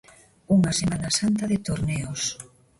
Unha Semana Santa de torneos.